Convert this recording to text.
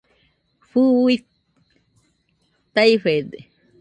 Fɨui taifede